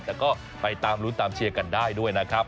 แต่ก็ไปตามรุ้นตามเชียร์กันได้ด้วยนะครับ